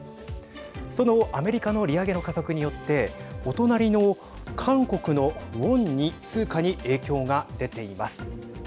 その、アメリカの利上げの加速によってお隣の韓国のウォンに通貨に影響が出ています。